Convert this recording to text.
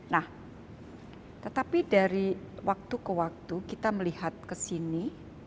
nah tetapi dari waktu ke waktu kita melihat ke sini